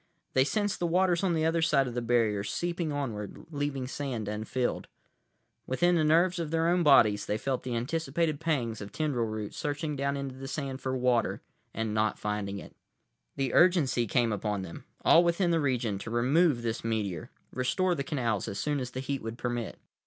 They sensed the waters on the other side of the barrier seeping onward, leaving sand unfilled. Within the nerves of their own bodies they felt the anticipated pangs of tendril roots searching down into the sand for water, and not finding it. The urgency came upon them, all within the region, to remove this meteor; restore the canals as soon as the heat would permit.